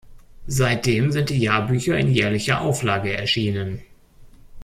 Seitdem sind die Jahrbücher in jährlicher Auflage erschienen.